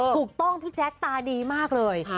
ถูกต้องพี่แจ๊กตาดีมากเลย